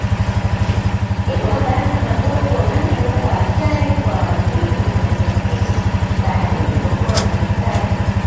Yapo mabarafu madogo na haya huwa hatari kwa meli zinazosafiri baharini kwakuwa hayaonekani